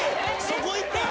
そこいった？